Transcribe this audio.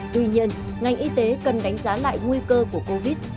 tuy nhiên ngành y tế cần đánh giá lại nguy cơ của covid